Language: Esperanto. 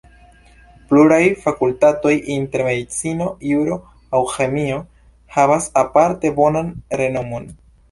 Pluraj fakultatoj, inter medicino, juro aŭ ĥemio, havas aparte bonan renomon.